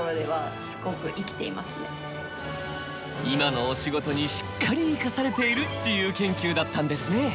今のお仕事にしっかり生かされている自由研究だったんですね。